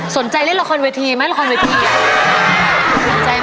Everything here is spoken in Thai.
สนใจเล่นละครวิธีไหม